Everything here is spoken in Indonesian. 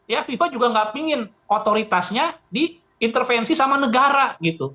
ya fifa juga nggak ingin otoritasnya diintervensi sama negara gitu